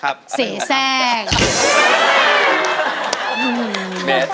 ครับเสร็จจะเสร็จ